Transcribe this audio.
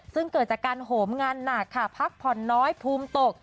ซึ่งเกิดจากการโหมงานหนักค่ะพักผ่อนน้อยภูมิตก